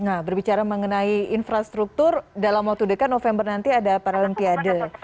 nah berbicara mengenai infrastruktur dalam waktu dekat november nanti ada paralimpiade